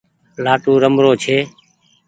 لآٽون رمرو ڇي۔